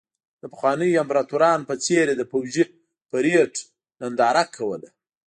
د پخوانیو امپراتورانو په څېر یې د پوځي پرېډ ننداره کوله.